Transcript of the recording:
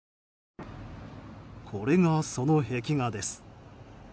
これが、その壁画です。